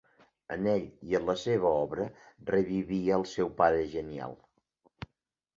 En ell i en la seva obra revivia el seu pare genial.